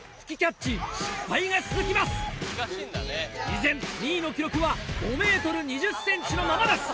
依然２位の記録は５ｍ２０ｃｍのままです。